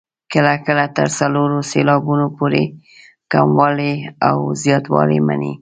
کله کله تر څلورو سېلابونو پورې کموالی او زیاتوالی مني.